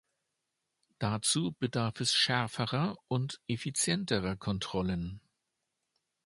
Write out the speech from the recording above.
Dazu bedarf es schärferer und effizienterer Kontrollen.